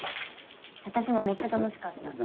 私もめっちゃ楽しかった。